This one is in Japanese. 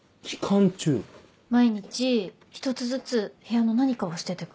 毎日１つずつ部屋の何かを捨ててく。